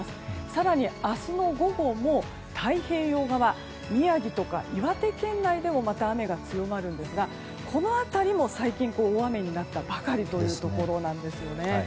更に、明日の午後も太平洋側宮城とか岩手県内でも雨が強まるんですがこの辺りも最近大雨になったばかりというところなんですね。